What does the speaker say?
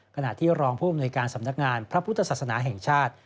ขณะที่รองผู้อำนวยการสำนักงานพระพุทธศาสนาแห่งชาติ